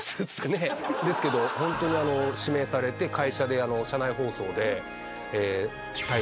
ホントに指名されて会社で社内放送で。